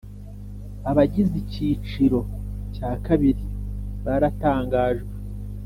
Abagize Ikiciro cya kabiri baratangajwe